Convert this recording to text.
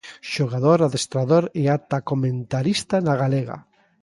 Xogador, adestrador e ata comentarista na galega.